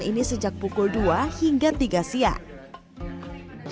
dan kemudian diberikan kelasan ini sejak pukul dua hingga tiga siang